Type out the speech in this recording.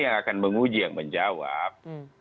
yang akan menguji yang menjawab